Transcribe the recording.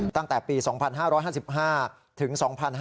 ตั้งแต่ปี๒๕๕๕ถึง๒๕๕๙